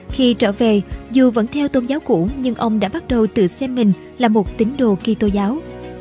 khi trở về dù vẫn theo tôn giáo cũ nhưng ông đã bắt đầu tự xem mình là một tính đồ kỳ tô giáo